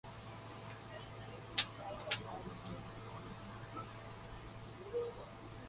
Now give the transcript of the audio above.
Captain Bunn voted "yes" and the Wilson Union Free School was born.